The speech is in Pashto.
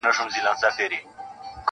اورنګ زېب چي د مغولو ستر واکمن وو-